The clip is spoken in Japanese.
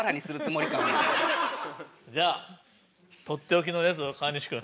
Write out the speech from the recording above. じゃあとっておきのやつを川西くん。